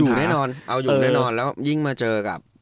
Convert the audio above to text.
แน่นอนเอาอยู่แน่นอนแล้วยิ่งมาเจอกับ